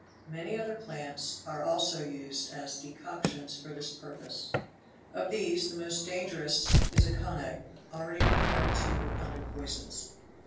Many other plants are also used as decoctions for this purpose. Of these the most dangerous is aconite already referred to under poisons.